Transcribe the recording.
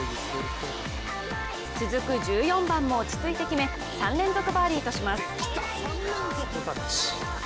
続く１４番も落ち着いて決め、３連続バーディーとします。